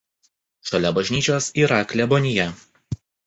Šalia bažnyčios yra klebonija.